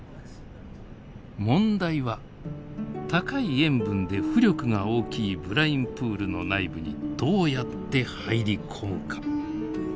問題は高い塩分で浮力が大きいブラインプールの内部にどうやって入り込むか。